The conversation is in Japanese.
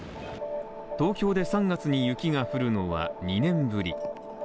東京で３月に雪が降るのは２年ぶり。